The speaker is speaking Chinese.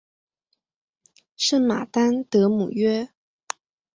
圣马丹德姆约。